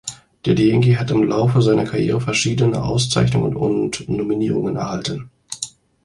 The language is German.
Daddy Yankee hat im Laufe seiner Karriere verschiedene Auszeichnungen und Nominierungen erhalten.